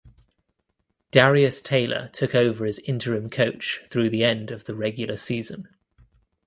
Darius Taylor took over as interim coach through the end of the regular season.